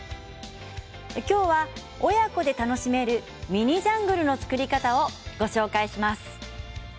今日は親子で楽しめるミニジャングルの作り方をご紹介します。